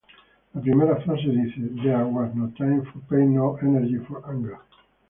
La primera frase dice: "There was no time for pain, no energy for anger.